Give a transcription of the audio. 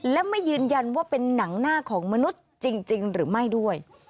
และไม่ยืนยันว่าเป็นหนังหน้าของมนุษย์จริงหรือไม่ด้วย